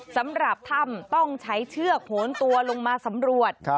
สำหรับถ้ำต้องใช้เชือกโหนตัวลงมาสำรวจ